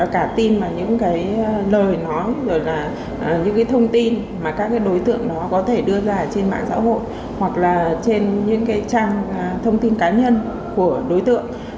cả tin và những lời nói những thông tin mà các đối tượng có thể đưa ra trên mạng xã hội hoặc là trên những trang thông tin cá nhân của đối tượng